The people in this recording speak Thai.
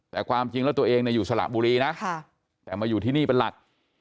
แต่ความจริงแล้วตัวเองอยู่สระบุรีนะแต่มาอยู่ที่นี่เป็นหลัก